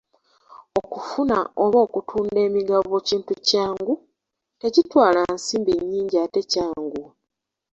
Okufuna oba okutunda emigabo kintu kyangu, tekitwala nsimbi nnyingi ate kyanguwa.